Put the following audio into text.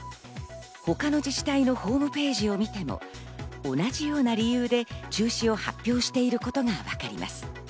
他の自治体のホームページを見ても、同じような理由で中止を発表していることがわかります。